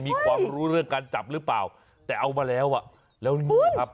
มีความรู้เรื่องการจับหรือเปล่าแต่เอามาแล้วอ่ะแล้วนี่ครับ